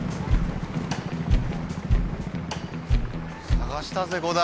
捜したぜ伍代。